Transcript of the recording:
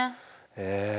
へえ。